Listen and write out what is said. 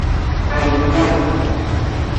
ایوب